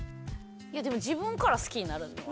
いやでも自分から好きになるのはね。